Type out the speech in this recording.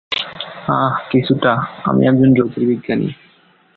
আঃ, কিছুটা, আমি একজন জ্যোতির্বিজ্ঞানী।